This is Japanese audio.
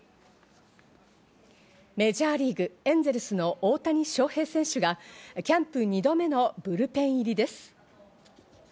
メジャーリーグ、エンゼルスの大谷翔平選手がキャンプ２度目のブルペン入りです。